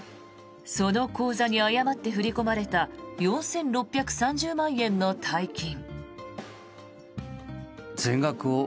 その口座に誤って振り込まれた４６３０万円の大金。